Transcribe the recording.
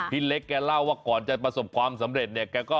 พี่เล็กก็บอกว่าก่อนจะประสบความสำเร็จ